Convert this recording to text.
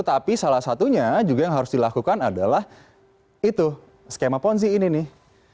tapi salah satunya juga yang harus dilakukan adalah itu skema ponzi ini nih